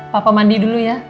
papa mandi dulu ya